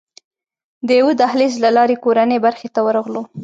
د یوه دهلېز له لارې کورنۍ برخې ته ورغلو.